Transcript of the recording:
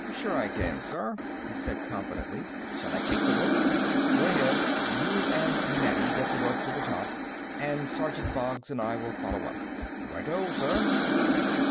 "Sure I can, sir," he said confidently. "Shall I take the rope?" "Go ahead. You and Manetti get the rope to the top, and Sergeant Boggs and I will follow up." "Righto, sir."